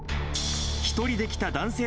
１人で来た男性